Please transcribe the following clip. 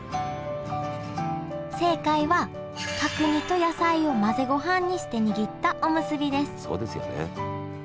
正解は角煮と野菜を混ぜごはんにして握ったおむすびですそうですよね。